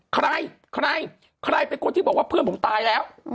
ใครใครเป็นคนที่บอกว่าเพื่อนผมตายแล้ว